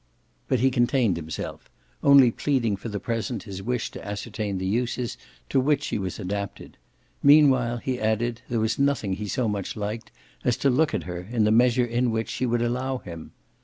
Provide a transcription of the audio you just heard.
But he contained himself, only pleading for the present his wish to ascertain the uses to which she was adapted; meanwhile, he added, there was nothing he so much liked as to look at her, in the measure in which she would allow him.